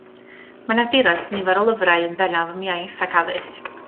Mae'n awdures nifer o lyfrau, yn bennaf am iaith ac addysg.